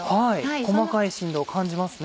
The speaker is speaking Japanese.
細かい振動を感じますね。